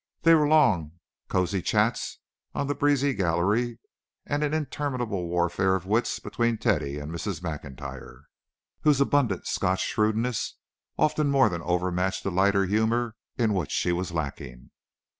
There were long, cosy chats on the breezy gallery, and an interminable warfare of wits between Teddy and Mrs. MacIntyre, whose abundant Scotch shrewdness often more than overmatched the lighter humour in which she was lacking.